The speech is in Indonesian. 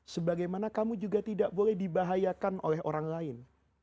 sebagaimana kamu juga tidak boleh dibahayakan oleh orang lain